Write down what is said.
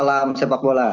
salam sepak bola